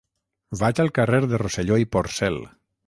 Vaig al carrer de Rosselló i Porcel.